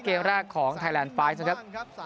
เกมแรกของไทยแลนด์ไฟล์นะครับ